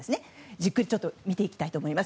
じっくり見ていきたいと思います。